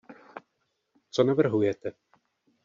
Co navrhujete?